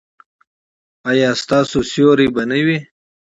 ایا ستاسو سیوری به نه وي؟